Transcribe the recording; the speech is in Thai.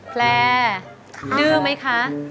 แพลร์ดื้อไหมคะ